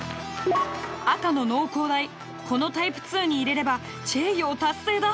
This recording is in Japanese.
赤の農工大このタイプ２に入れればチェイヨー達成だ。